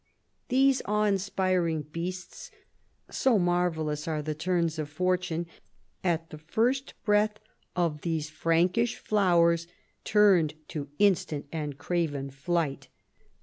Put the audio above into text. These awe inspiring beasts — so marvellous are the turns of fortune — at the first breath of these Frankish flowers turned to instant and craven flight.